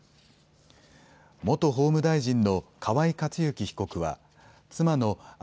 元法務大臣の河井克行被告は妻の案